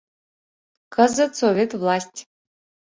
Кызыт Совет власть.